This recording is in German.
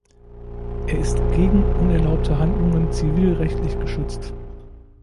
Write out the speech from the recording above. Er ist gegen unerlaubte Handlungen zivilrechtlich geschützt.